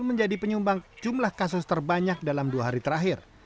menjadi penyumbang jumlah kasus terbanyak dalam dua hari terakhir